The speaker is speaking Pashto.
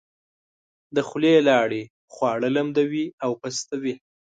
د خولې لاړې خواړه لمدوي او پستوي.